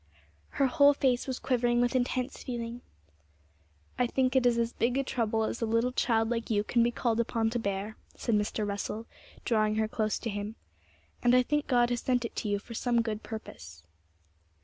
Her whole face was quivering with intense feeling. 'I think it is as big a trouble as a little child like you can be called upon to bear,' said Mr. Russell, drawing her close to him; 'and I think God has sent it to you for some good purpose.'